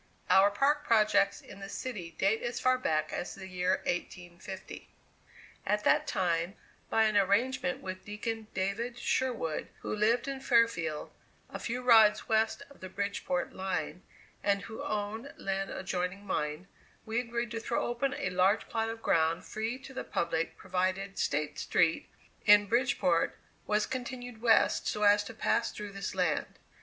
Our park projects in the city date as far back as the [Illustration: SEA SIDE PARK] year 1850. At that time, by an arrangement with Deacon David Sherwood, who lived in Fairfield, a few rods west of the Bridgeport line, and who owned land adjoining mine, we agreed to throw open a large plot of ground free to the public, provided State Street, in Bridgeport, was continued west so as to pass through this land.